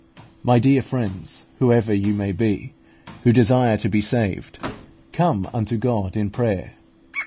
My dear friends, whoever you may be, who desire to be saved, come unto God in prayer.